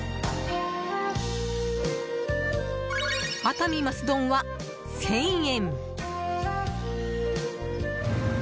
熱海マス丼は１０００円。